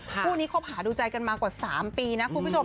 คู่นี้คบหาดูใจกันมากว่า๓ปีนะคุณผู้ชม